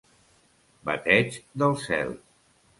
Bateig del cel.